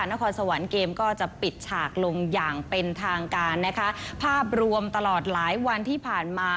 นครสวรรค์เกมก็จะปิดฉากลงอย่างเป็นทางการนะคะภาพรวมตลอดหลายวันที่ผ่านมา